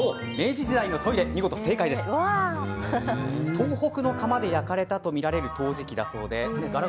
東北の釜で焼かれたと見られる陶磁器だそうです。